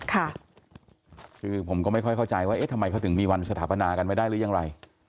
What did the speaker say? คือผมก็ไม่ค่อยเข้าใจว่าเอ๊ะทำไมเขาถึงมีวันสถาปนากันไม่ได้หรือยังไร